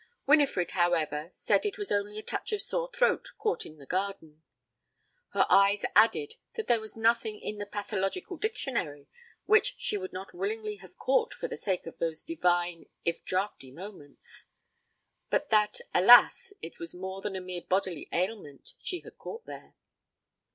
Winifred, however, said it was only a touch of sore throat caught in the garden. Her eyes added that there was nothing in the pathological dictionary which she would not willingly have caught for the sake of those divine, if draughty moments; but that, alas! it was more than a mere bodily ailment she had caught there.